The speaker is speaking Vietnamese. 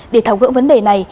để tháo gỡ vấn đề này